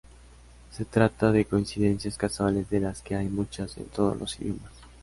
Se trata de coincidencias casuales de las que hay muchas en todos los idiomas.